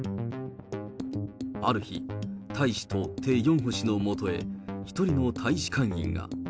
ある日、大使とテ・ヨンホ氏のもとへ１人の大使館員が。